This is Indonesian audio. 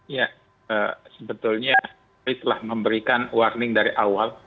ya sebetulnya kami telah memberikan warning dari awal